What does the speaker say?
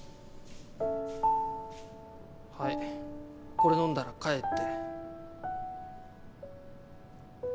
これ飲んだら帰って。